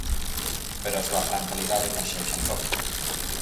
Pero a súa gran calidade emerxeu xa en Toquio.